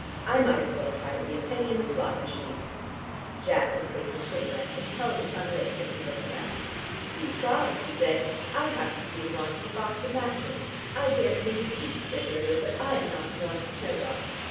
I might as well try to be a penny in the slot machine!" Jack had taken a cigarette and held it unlit as he looked about. "Do try," he said. "I happen to be in want of a box of matches." "I daresay you do," said Dodo, "but I'm not in want of snowdrops.